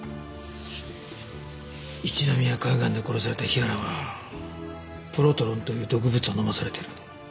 一宮海岸で殺された日原はプロトロンという毒物を飲まされている。